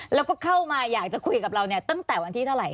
แล้วก็เข้ามาอยากจะคุยกับเราเนี่ยตั้งแต่วันที่เท่าไหร